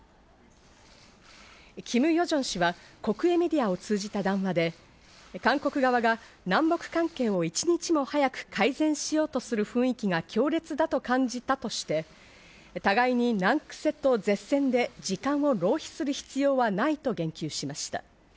キム・ヨジョン氏は国営メディアを通じた談話で韓国側が南北関係を一日も早く改善しようとする雰囲気が強烈だと感じたとして、互いに難癖と舌戦で時間を浪費する必要はないと言及しました。